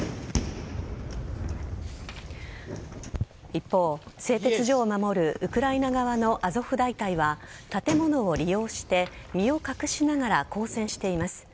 一方、製鉄所を守るウクライナ側のアゾフ大隊は建物を利用して身を隠しながら交戦しています。